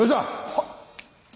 はっ！